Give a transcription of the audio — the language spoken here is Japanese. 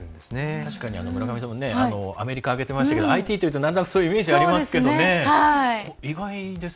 確かに村上さんもアメリカ挙げてましたけどＩＴっていうとなんとなくそういうイメージありますよね。